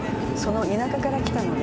田舎から来たので。